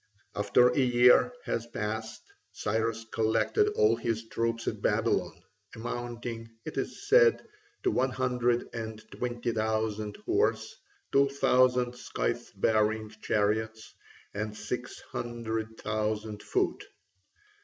After a year had passed, Cyrus collected all his troops at Babylon, amounting, it is said, to one hundred and twenty thousand horse, two thousand scythe bearing chariots, and six hundred thousand foot.